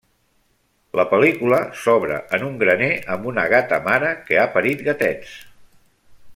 La pel·lícula s'obre en un graner amb una gata mare que ha parit gatets.